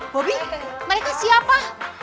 bobi mereka siapa